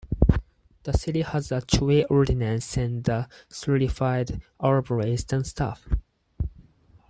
The city has a Tree Ordinance and a certified arborist on staff.